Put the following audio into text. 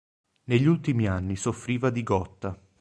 Negli ultimi anni soffriva di gotta.